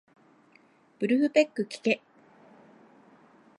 ブルフペックきけ